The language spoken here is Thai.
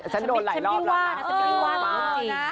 ฉันโดนหลายรอบแล้วนะ